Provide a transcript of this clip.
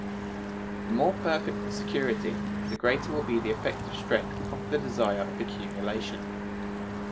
The more perfect the security, the greater will be the effective strength of the desire of accumulation.